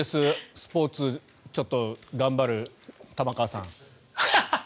スポーツをちょっと頑張る玉川さん。